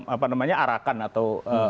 apa namanya arakan atau